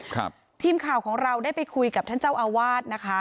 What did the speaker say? ครับทีมข่าวของเราได้ไปคุยกับท่านเจ้าอาวาสนะคะ